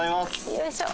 よいしょ。